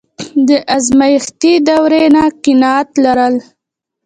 د ازمایښتي دورې نه قناعت لرل.